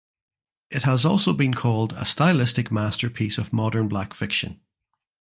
It has also been called "a stylistic masterpiece of modern black fiction".